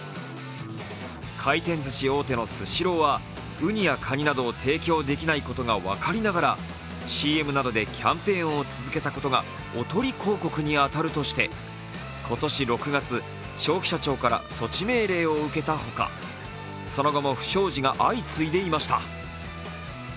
回転ずし大手のスシローはうにやかになどを提供できないことが分かりながらＣＭなどでキャンペーンを続けたことがおとり広告に当たるとして今年６月消費者庁から措置命令を受けたほか、その後も不祥事が相次いでいました。